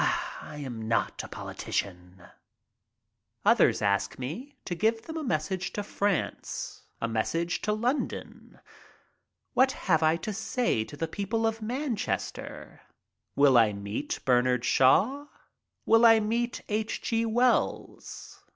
"I am not a politician." Others ask me to give them a message to France. A message to London. What have I to say to the people of Manchester? Will I meet Bernard Shaw? Will I meet H. G. Wells?